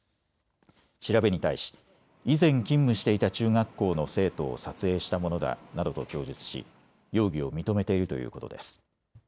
調べに対し以前、勤務していた中学校の生徒を撮影したものだなどと供述し容疑を認めているということです。